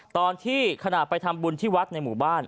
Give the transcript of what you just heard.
ตอนที่ขนาดไปทำบุญที่วัดในหมู่บ้าน